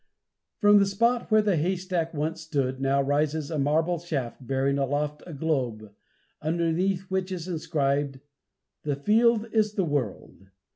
From the spot where the haystack once stood, now rises a marble shaft, bearing aloft a globe, underneath which is inscribed: "THE FIELD IS THE WORLD."